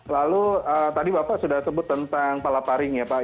lalu tadi bapak sudah sebut tentang palaparing ya pak